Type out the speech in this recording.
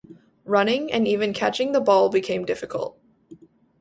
Running and even catching the ball became difficult.